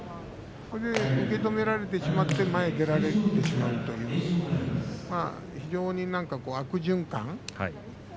それで受け止められてしまって前に出られてしまうという非常に悪循環。